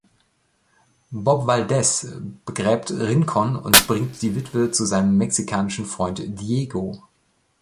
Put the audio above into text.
Bob Valdez begräbt Rincon und bringt die Witwe zu seinem mexikanischen Freund Diego.